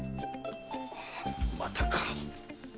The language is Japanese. またか！